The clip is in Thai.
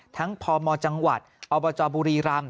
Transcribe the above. ทั้งพมจังหวัดอบบุรีรัม